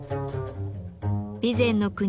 備前国